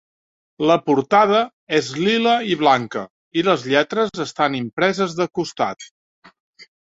La portada és lila i blanca, i les lletres estan impreses de costat.